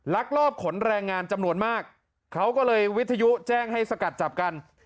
ลักลอบขนแรงงานจำนวนมากเขาก็เลยวิทยุแจ้งให้สกัดจับกัน